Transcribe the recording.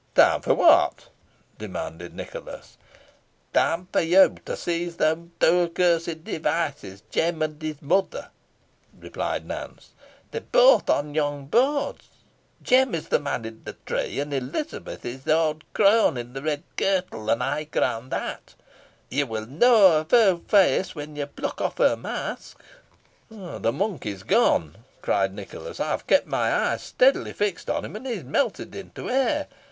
"Time for what?" demanded Nicholas. "Time for you to seize those two accursed Devices, Jem and his mother," replied Nance. "They are both on yon boards. Jem is the man in the tree, and Elizabeth is the owd crone in the red kirtle and high crowned hat. Yo win knoa her feaw feace when yo pluck off her mask." "The monk is gone," cried Nicholas; "I have kept my eyes steadily fixed on him, and he has melted into air.